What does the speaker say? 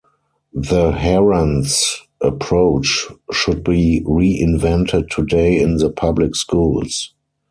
The Harand's approach should be reinvented today in the public schools.